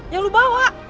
yang lu bawa